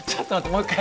もう一回。